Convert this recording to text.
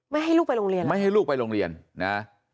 ให้ลูกไปโรงเรียนไม่ให้ลูกไปโรงเรียนนะ